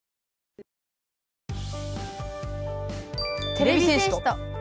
「てれび戦士と」。